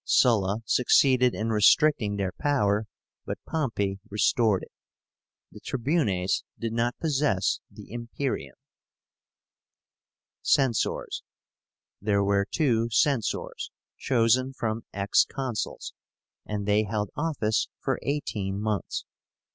Sulla succeeded in restricting their power; but Pompey restored it. The Tribunes did not possess the imperium. CENSORS. There were two Censors, chosen from Ex Consuls, and they held office for eighteen months.